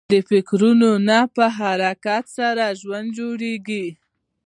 د فکرو نه په حرکت سره ژوند جوړېږي.